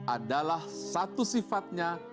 adalah satu sifatnya